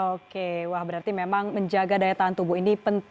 oke wah berarti memang menjaga daya tahan tubuh ini juga harus diperlukan